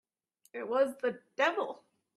It was the devil!